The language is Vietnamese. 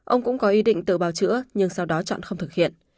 ông cũng có ý định tự bào chữa nhưng sau đó chọn không thực hiện